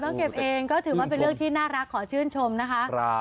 ก็เก็บเองก็ถือว่าเป็นเรื่องที่น่ารักขอชื่นชมนะคะ